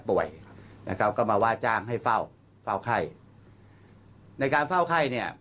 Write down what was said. นะครับก็มาว่าจ้างให้เฝ้าเฝ้าไข้ในการเฝ้าไข้เนี่ย